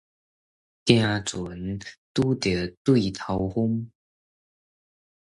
行船，拄著對頭風